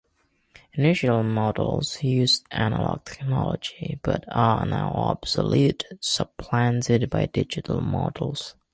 Initial models used analog technology, but are now obsolete, supplanted by digital models.